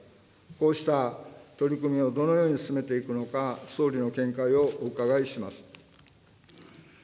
こうした取り組みをどのように進めていくのか、総理の見解をお伺いします。